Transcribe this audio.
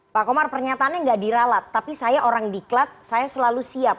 pak komar pernyataannya nggak diralat tapi saya orang diklat saya selalu siap